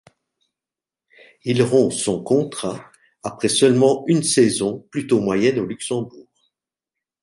Il rompt son contrat après seulement une saison, plutôt moyenne, au Luxembourg.